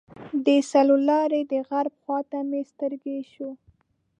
د څلور لارې د غرب خواته مې تر سترګو شو.